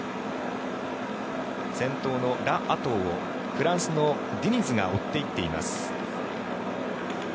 先頭のラ・アトウをフランスのディニズが追っていっています。